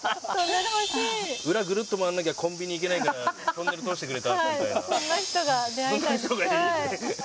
裏ぐるっと回んなきゃコンビニ行けないからトンネル通してくれたみたいな。